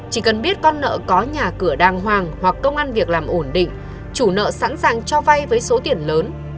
chỉ cần biết con nợ có nhà cửa đàng hoàng hoặc công an việc làm ổn định chủ nợ sẵn sàng cho vay với số tiền lớn